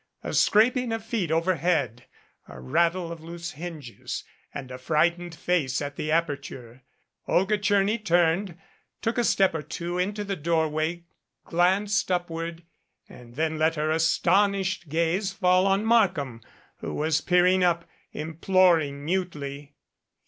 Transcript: A scraping of feet overhead, a rattle of loose hinges, and a frightened face at the aperture. Olga Tcherny turned, took a step or two into the doorway, glanced upward and then let her astonished gaze fall on Markham, who was peering up, imploring mutely.